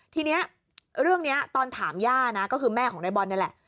ทีนี้เรื่องนี้ตอนถามย่านะก็คือแม่ของนายบอลนี่แหละ